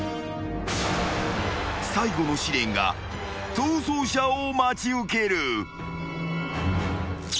［最後の試練が逃走者を待ち受ける］